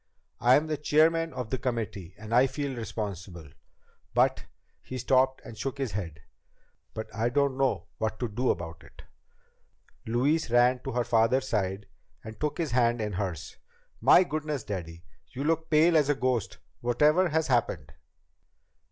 "I'm the chairman of the committee, and I feel responsible. But " He stopped and shook his head. "But I don't know what to do about it." Louise ran to her father's side and took his hand in hers. "My goodness, Daddy! You look as pale as a ghost. Whatever has happened?"